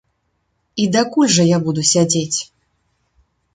І дакуль жа я буду сядзець?